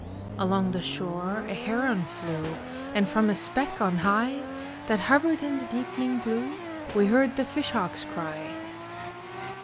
Along the shore a heron flew, And from a speck on high, That hovered in the deepening blue, We heard the fish hawk's cry.